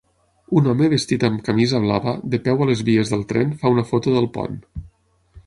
Un home vestit amb camisa blava, de peu a les vies del tren fa una foto del pont.